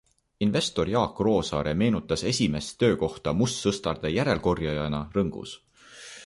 Investor Jaak Roosaare meenutas esimest töökohta mustsõstarde järelkorjajana Rõngus.